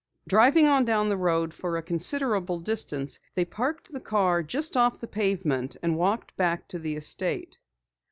Driving on down the road for a considerable distance, they parked the car just off the pavement and walked back to the estate.